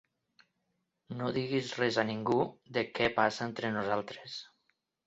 No diguis res a ningú de què passa entre nosaltres.